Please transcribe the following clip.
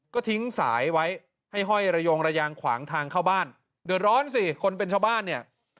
ก็ทิ้งสายไว้ให้ห้อยระยงระยางขวางทางเข้าบ้านเดือดร้อนสิคนเป็นชาวบ้านเนี่ย